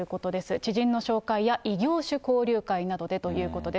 知人の紹介や異業種交流会などでということです。